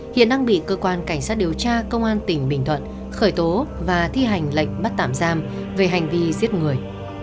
hiện đang bị cơ quan cảnh sát điều tra công an tỉnh bình thuận khởi tố và thi hành lệnh bắt tạm giam về hành vi giết người